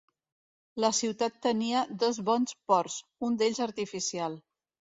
La ciutat tenia dos bons ports, un d'ells artificial.